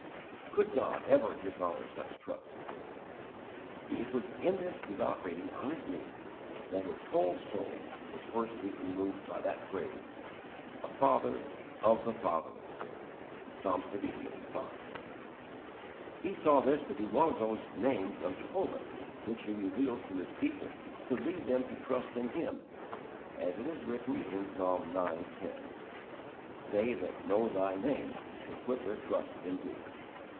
Could God ever dishonour such trust? It was in this devout reading on his knees that his whole soul was first deeply moved by that phrase, "A FATHER OF THE FATHERLESS." (Psalm lxviii. 5.) He saw this to be one of those "names" of Jehovah which He reveals to His people to lead them to trust in Him, as it is written in Psalm ix. 10: "They that know Thy name Will put their trust in Thee."